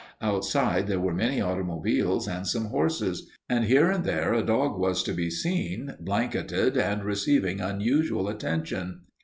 Outside there were many automobiles and some horses, and here and there a dog was to be seen, blanketed and receiving unusual attention.